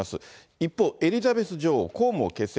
一方、エリザベス女王、公務を欠席。